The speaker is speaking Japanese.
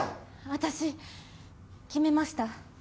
私決めました。